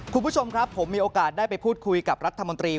คุณผู้ชมครับผมมีโอกาสได้ไปพูดคุยกับรัฐมนตรี